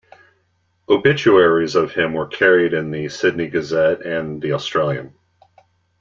Obituaries of him were carried in the "Sydney Gazette" and "The Australian".